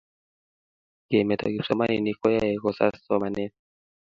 kemeto kipsomaninik koyae kosas somanet